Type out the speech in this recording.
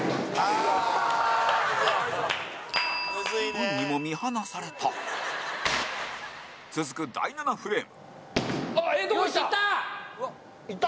運にも見放された続く、第７フレーム後藤：ええとこ、きた！